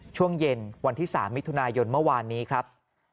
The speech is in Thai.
ช่วงเย็นวันที่๓มิถุนายนเมื่อวานนี้ครับ